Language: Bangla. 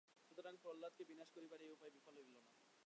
সুতরাং প্রহ্লাদকে বিনাশ করিবার এই উপায় বিফল হইল না।